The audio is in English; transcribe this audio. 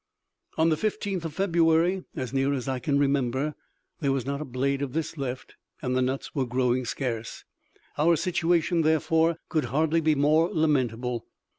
On the fifteenth of February, as near as I can remember, there was not a blade of this left, and the nuts were growing scarce; our situation, therefore, could hardly be more lamentable.